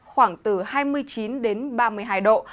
khoảng từ hai mươi chín ba mươi hai độ